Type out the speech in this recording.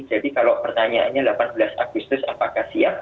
jadi kalau pertanyaannya delapan belas agustus apakah siap